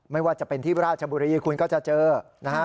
ไม่ว่าจะเป็นที่ราชบุรีคุณก็จะเจอนะฮะ